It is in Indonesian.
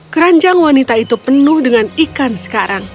keranjang wanita itu penuh dengan ikan sekarang